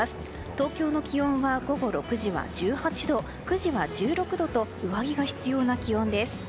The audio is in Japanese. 東京の気温は午後６時は１８度９時は１６度と上着が必要な気温です。